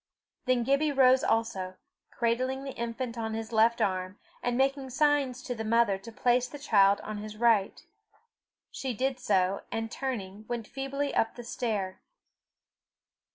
Then Gibbie rose also, cradling the infant on his left arm, and making signs to the mother to place the child on his right. She did so, and turning, went feebly up the stair.